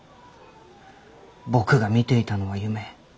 僕が見ていたのは夢。